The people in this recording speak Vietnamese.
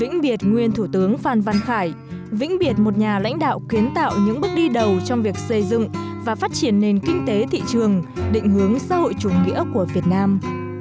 nguyên thủ tướng phan văn khải qua đời là một sự mất mát to lớn của dân tộc